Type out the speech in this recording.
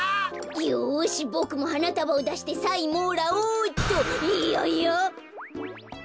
よしボクもはなたばをだしてサインもらおうっと。ややっ！